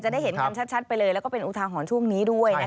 ได้เห็นกันชัดไปเลยแล้วก็เป็นอุทาหรณ์ช่วงนี้ด้วย